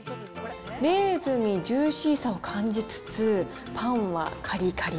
レーズンにジューシーさを感じつつ、パンはかりかり。